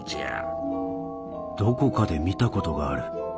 どこかで見たことがある。